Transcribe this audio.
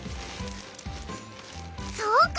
そうか！